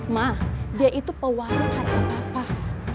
ma dia itu pewaris harga bapak